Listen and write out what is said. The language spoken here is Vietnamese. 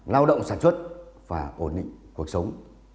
lao động sản xuất và ổn định cuộc sống